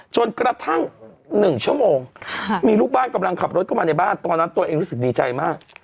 จนกระทั่ง๑ชั่วโมงมีลูกบ้านกำลังขับรถเข้ามาในบ้านตอนนั้นตัวเองรู้สึกดีใจมาก